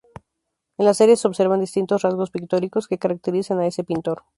En la serie se observan distintos rasgos pictóricos que caracterizan a ese pintor.